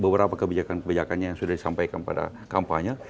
beberapa kebijakan kebijakannya yang sudah disampaikan pada kampanye